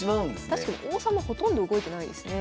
確かに王様ほとんど動いてないですね。